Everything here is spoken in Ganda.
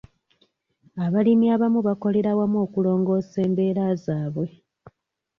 Abalimi abamu bakolera wamu okulongoosa embeera zaabwe.